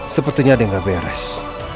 sepertinya ada yang gak beres